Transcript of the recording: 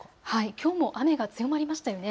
きょうも雨が強まりましたね。